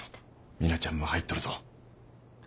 ミナちゃんも入っとるぞ。